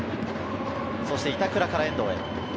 そして板倉から遠藤へ。